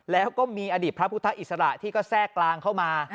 แล้วก็มีอดีตพระพุทธอิสระที่ก็แทรกกลางเข้ามา